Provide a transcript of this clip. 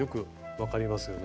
分かりますね。